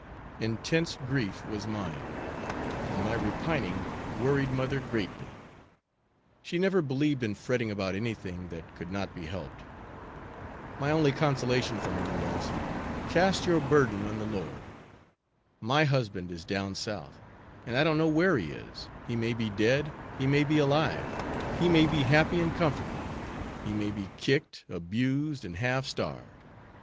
Intense grief was mine, and my repining worried mother greatly; she never believed in fretting about anything that could not be helped. My only consolation from her was, "'Cast your burden on the Lord.' My husband is down South, and I don't know where he is; he may be dead; he may be alive; he may be happy and comfortable; he may be kicked, abused and half starved.